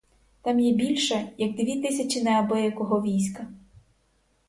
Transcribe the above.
Там є більше, як дві тисячі неабиякого війська.